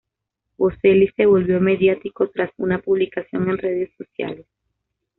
Boselli se volvió mediático tras una publicación en redes sociales.